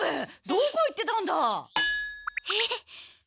どこ行ってたんだ！？え？